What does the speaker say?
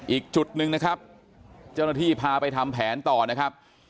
อีกจุดหนึ่งนะครับเจ้าหน้าที่พาไปทำแผนต่อนะครับ